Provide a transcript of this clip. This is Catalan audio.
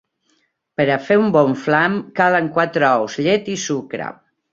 Per a fer un bon flam, calen quatre ous, llet i sucre.